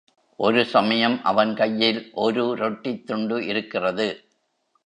ஒரு சமயம் அவன் கையில் ஒரு ரொட்டித் துண்டு இருக்கிறது.